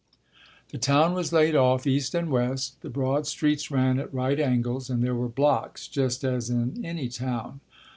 The town was laid off east and west. The broad streets ran at right angles, and there were blocks just as in any town.